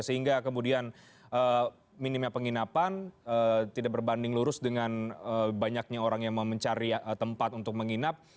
sehingga kemudian minimnya penginapan tidak berbanding lurus dengan banyaknya orang yang mau mencari tempat untuk menginap